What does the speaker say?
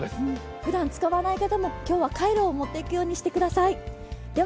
ふだん使わない方も今日はカイロを持っていくようにしてください。